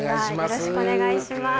よろしくお願いします。